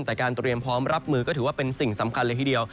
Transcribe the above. แต่การเตรียมพร้อมรับมือก็ถือว่าเป็นสิ่งสำคัญเลยทีเดียว